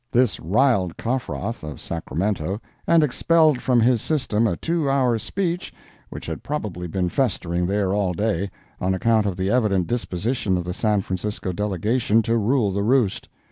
This riled Coffroth, of Sacramento, and expelled from his system a two hours' speech which had probably been festering there all day, on account of the evident disposition of the San Francisco delegation to rule the roost.